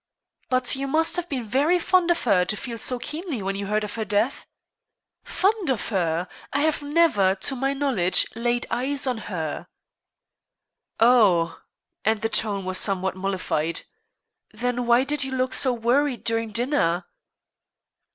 "But you must have been very fond of her to feel so keenly when you heard of her death?" "Fond of her! I have never, to my knowledge, laid eyes on her." "Oh!" And the tone was somewhat mollified. "Then why did you look so worried during dinner?"